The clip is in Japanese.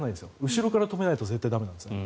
後ろから止めないと絶対に駄目なんですね。